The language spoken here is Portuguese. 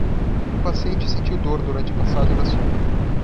O paciente sentiu dor durante a passagem da sonda